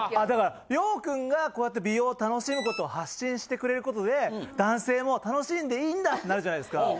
だから諒君がこうやって美容を楽しむ事を発信してくれる事で男性も楽しんでいいんだってなるじゃないすか。